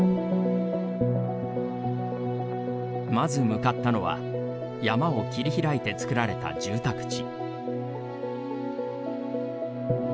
まず向かったのは山を切り開いて作られた住宅地。